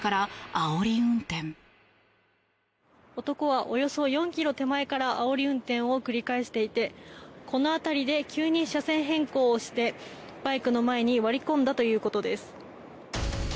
男はおよそ４ｋｍ手前からあおり運転を繰り返していてこの辺りで急に車線変更してバイクの前に割り込んだということです。